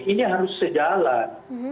ini harus sejalan